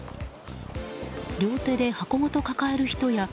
両手で箱ごと抱える人や。